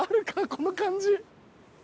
この感じ。